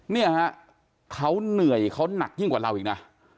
เนี่ยฮะเขาเหนื่อยเขาหนักยิ่งกว่าเราอีกนะ